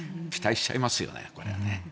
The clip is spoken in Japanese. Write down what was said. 期待しちゃいますよね。